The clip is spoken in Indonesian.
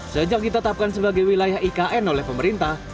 sejak ditetapkan sebagai wilayah ikn oleh pemerintah